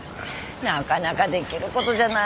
なかなかできることじゃないわよね。